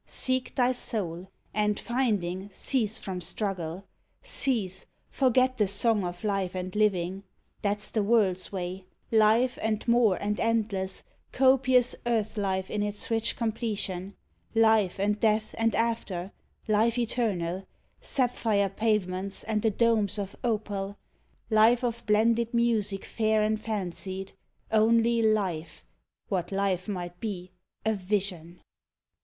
Seek thy soul, and, rinding, cease from struggle ; Cease, forget the song of life and living ; That's the world's way Life and more and endless, Copious earth life in its rich completion, Life and death and after, Life eternal, Sapphire pavements and the domes of opal, Life of blended music fair and fancied : Only life what life might be a vision